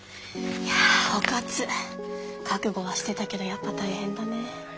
保活覚悟はしてたけどやっぱ大変だね。